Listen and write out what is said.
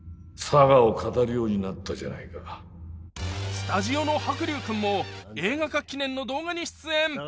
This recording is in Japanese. スタジオの白竜君も映画化記念の動画に出演